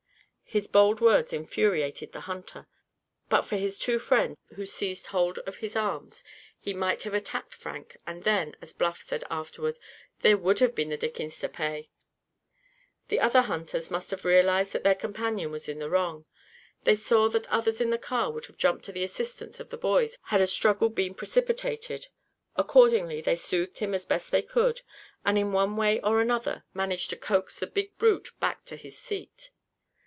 His bold words infuriated the hunter. But for his two friends, who seized hold of his arms, he might have attacked Frank, and then, as Bluff said afterward, "there would have been the dickens to pay." The other hunters must have realized that their companion was in the wrong. They saw that others in the car would have jumped to the assistance of the boys had a struggle been precipitated. Accordingly, they soothed him as best they could, and in one way or another managed to coax the big brute back to his seat.